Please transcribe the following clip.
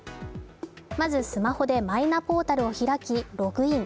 まずスマホでマイナポータルを開き、ログイン。